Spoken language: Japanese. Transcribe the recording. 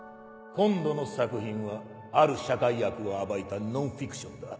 今度の作品はある社会悪を暴いたノンフィクションだ